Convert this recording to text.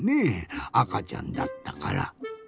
あかちゃんだったから。